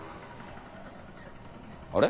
あれ？